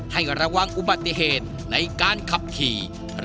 ให้ระวังอุบัติเหตุในการขับขี่